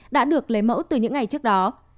đã được lấy mẫu từ những ngày trước đó